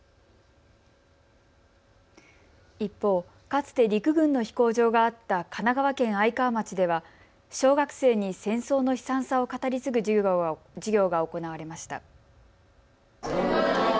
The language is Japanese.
一方、かつて陸軍の飛行場があった神奈川県愛川町では小学生に戦争の悲惨さを語り継ぐ授業が行われました。